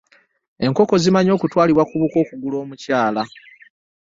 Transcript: enkoko zimanyi okutwalibwa ku bukko okugula omukyala.